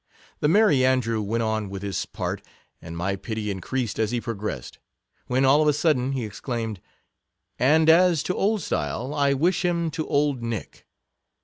The Merry Andrew went on with his part, and my pity increased as he progressed ; when, all of a sudden, he exclaimed, " And as to Oldstyle, I wish him to old Nick."